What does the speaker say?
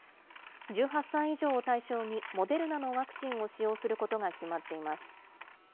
１８歳以上を対象に、モデルナのワクチンを使用することが決まっています。